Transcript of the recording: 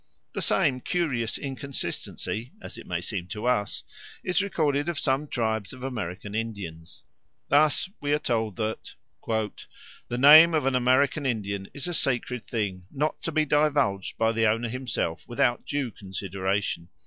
The same curious inconsistency, as it may seem to us, is recorded of some tribes of American Indians. Thus we are told that "the name of an American Indian is a sacred thing, not to be divulged by the owner himself without due consideration.